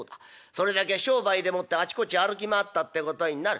それだけ商売でもってあちこち歩き回ったってことになる。